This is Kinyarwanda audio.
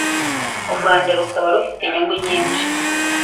u Rwanda rukaba rufite inyungu nyinshi